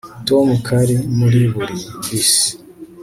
Tom kari muri muri bisi